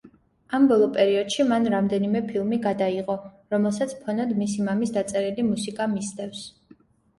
ამ ბოლო პერიოდში მან რამდენიმე ფილმი გადაიღო, რომელსაც ფონად მისი მამის დაწერილი მუსიკა მისდევს.